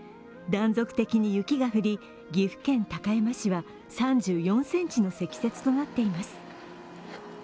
断続的に雪が降り、岐阜県高山市は３４ｃｍの積雪となっています。